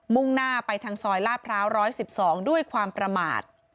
่งหน้าไปทางซอยลาดพร้าว๑๑๒ด้วยความประมาท